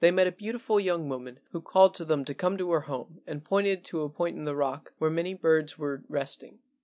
They met a beautiful young woman who called to them to come to her home, and pointed to a point of rock where many birds were rest¬ ing.